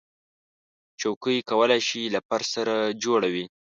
چوکۍ کولی شي له فرش سره جوړه وي.